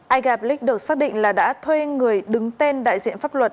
aiga blic được xác định là đã thuê người đứng tên đại diện pháp luật